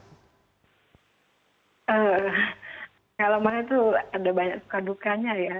pengalaman itu ada banyak suka dukanya ya